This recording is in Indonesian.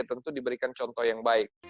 tentu diberikan contoh yang baik